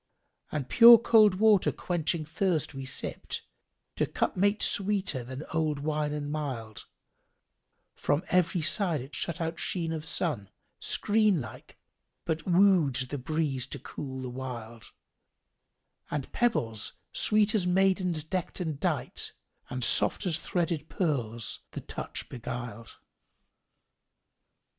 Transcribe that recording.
And pure cold water quenching thirst we sipped: * To cup mate sweeter than old wine and mild: From every side it shut out sheen of sun * Screen like, but wooed the breeze to cool the wild: And pebbles, sweet as maidens deckt and dight * And soft as threaded pearls, the touch beguiled."